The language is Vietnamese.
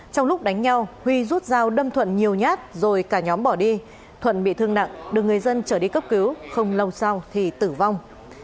trong lúc đánh nhau huy rút dao đâm thuận nhiều nhát rồi cả nhóm bỏ đi thuận bị thương nặng được người dân trở đi cấp cứu không lâu sau thì tử vong